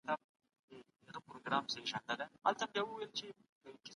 د دولت د موقتي پیاوړتیا په پرتله د آرامتیا دورې مهمي دي.